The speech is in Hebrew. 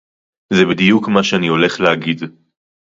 זה בדיוק מה שאני הולך להגיד